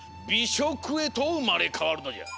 しょくへとうまれかわるのじゃ。